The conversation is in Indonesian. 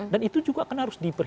dan itu juga akan harus dipilih